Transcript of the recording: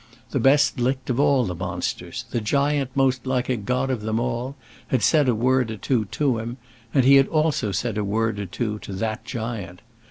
The best licked of all the monsters, the Giant most like a god of them all, had said a word or two to him; and he also had said a word or two to that Giant.